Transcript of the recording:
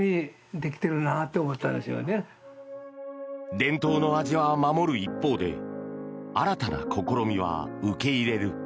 伝統の味は守る一方で新たな試みは受け入れる。